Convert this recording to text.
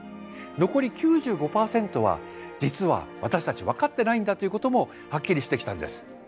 残り９５％は実は私たち分かってないんだということもはっきりしてきたんです。